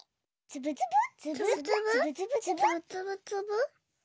つぶつぶ。